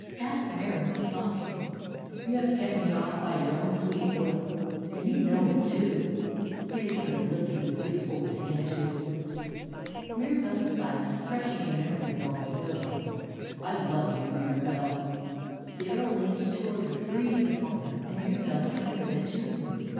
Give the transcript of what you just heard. ^^ asked Mirahelle saucily. "You have kept me off by your own sweet will. And 120 MIRABELLE you know it, too he returned, lifting the beautiful hand to his lips. Mirabelle was silent, crushing a memory of Long Ago. "I love you, Mirabelle !" The earl leaned toward her, breathed upon her, and Mirabelle turned her head to him.